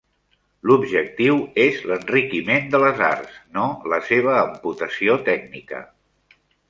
L'objectiu és l'enriquiment de les arts, no la seva amputació tècnica.